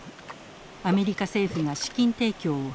アメリカ政府が資金提供を発表